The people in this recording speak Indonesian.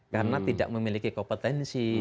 karena tidak memiliki kompetensi